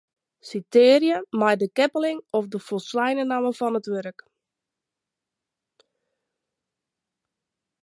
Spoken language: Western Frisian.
Sitearje mei in keppeling of de folsleine namme fan it wurk.